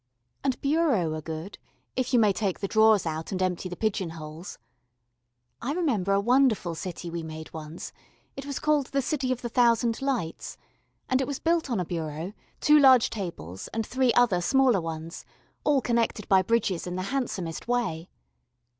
And bureaux are good, if you may take the drawers out and empty the pigeon holes. I remember a wonderful city we made once: it was called the "City of the Thousand Lights," and it was built on a bureau, two large tables and three other smaller ones, all connected by bridges in the handsomest way.